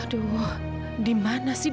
oh ternyata ini ruangannya